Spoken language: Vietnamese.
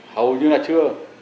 hầu như là chưa